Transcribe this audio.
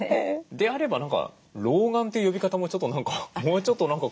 であれば何か老眼という呼び方もちょっと何かもうちょっと何か。